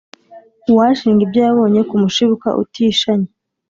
Uwashinga ibyo yabonye Ku mushibuka utishanya